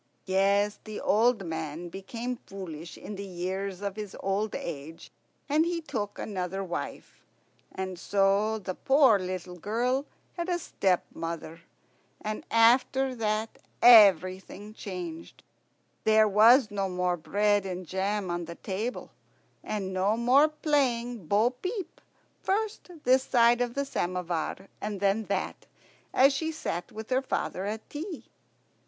Yes, the old man became foolish in the years of his old age, and he took another wife. And so the poor little girl had a stepmother. And after that everything changed. There was no more bread and jam on the table, and no more playing bo peep, first this side of the samovar and then that, as she sat with her father at tea.